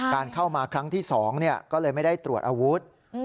การเข้ามาครั้งที่สองเนี่ยก็เลยไม่ได้ตรวจอาวุธ